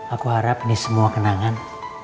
aku harap ini semua kenangan